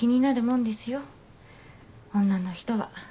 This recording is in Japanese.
女の人は。